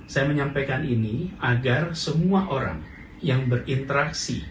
saya menyampaikan ini agar semua orang yang berinteraksi